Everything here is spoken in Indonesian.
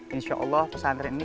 insya allah pesantren ini